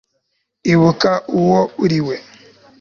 ibuka uwo uriwe